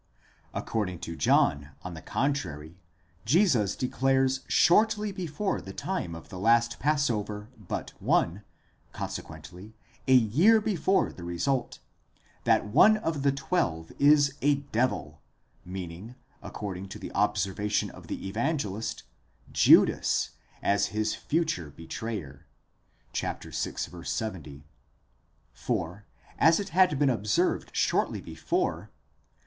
According to John, on the contrary, Jesus declares shortly before the time of the last passover but one, conse quently a year before the result, that one of the twelve is ὦ devi/, διάβολος, meaning, according to the observation of the Evangelist, Judas, as his future betrayer (vi. 70); for, as it had been observed shortly before (v.